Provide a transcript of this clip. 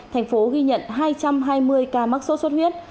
thành phố ghi nhận hai trăm hai mươi ca mắc sốt xuất huyết